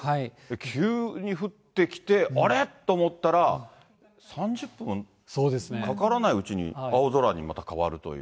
急に降ってきて、あれ？と思ったら、３０分かからないうちに青空にまた変わるという。